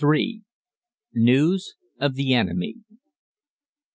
NEWS OF THE ENEMY.